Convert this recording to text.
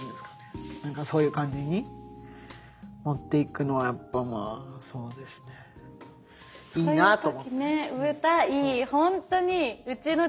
何かそういう感じに持っていくのはやっぱまあそうですねいいなあと思う。